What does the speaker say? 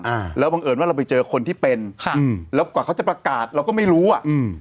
อ่าแล้วบังเอิญว่าเราไปเจอคนที่เป็นค่ะอืมแล้วกว่าเขาจะประกาศเราก็ไม่รู้อ่ะอืม